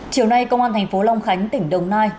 chiều nay công an thành phố long khánh tỉnh đồng nai